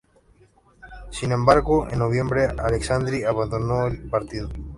Sin embargo, en noviembre Alessandri abandonó el partido.